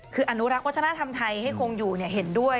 คืออนุรักษ์วัฒนธรรมไทยให้คงอยู่เห็นด้วย